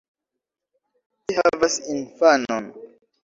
Vi havas infanon!